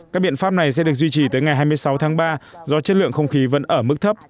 các biện pháp này sẽ được duy trì tới ngày hai mươi sáu tháng ba do chất lượng không khí vẫn ở mức thấp